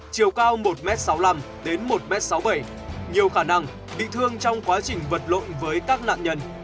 chiều cao một m sáu mươi năm đến một m sáu mươi bảy nhiều khả năng bị thương trong quá trình vật lộn với các nạn nhân